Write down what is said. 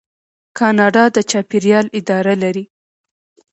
کاناډا د چاپیریال اداره لري.